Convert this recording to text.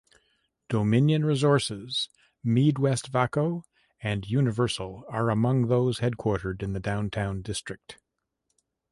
Dominion Resources, MeadWestvaco, and Universal are among those headquartered in the downtown district.